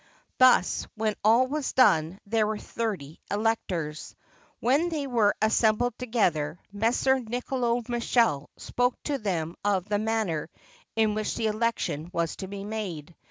Thus when all was done there were thirty electors. When they were assem bled together, Messer Nicolao Michele spoke to them of the manner in which the election was to be made.